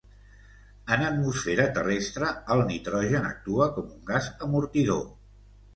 En Atmosfera terrestre, el nitrogen actua com un gas amortidor.